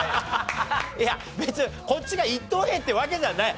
いや別にこっちが一等兵ってわけじゃない。